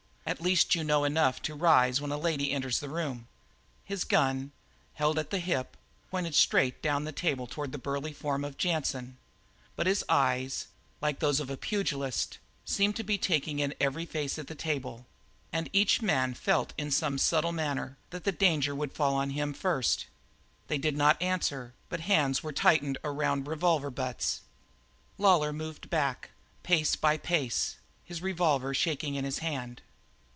At least you know enough to rise when a lady enters the room." His gun, held at the hip, pointed straight down the table to the burly form of Jansen, but his eyes, like those of a pugilist, seemed to be taking in every face at the table, and each man felt in some subtle manner that the danger would fall first on him. They did not answer, but hands were tightening around revolver butts. Lawlor moved back, pace by pace, his revolver shaking in his hand.